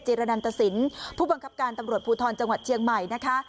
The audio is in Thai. รณันตสินผู้บังคับการตำรวจภูทรจังหวัดเชียงใหม่นะคะ